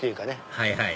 はいはい